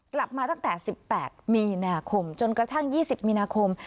กลับมาตั้งแต่สิบแปดมีนาคมจนกระทั่งยี่สิบมีนาคม